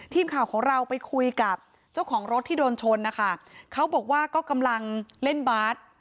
ทีมข่าวของเราไปคุยกับเจ้าของรถที่โดนชนนะคะเขาบอกว่าก็กำลังเล่นบาส